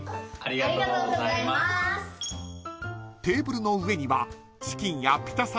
［テーブルの上には］